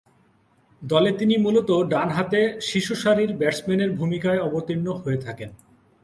দলে তিনি মূলতঃ ডানহাতে শীর্ষসারির ব্যাটসম্যানের ভূমিকায় অবতীর্ণ হয়ে থাকেন।